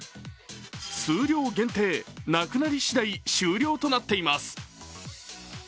数量限定、なくなり次第終了となっています。